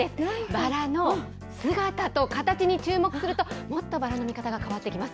バラの姿と形に注目すると、もっとバラの見方が変わってきます。